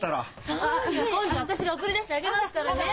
そうよ。今度は私が送り出してあげますからね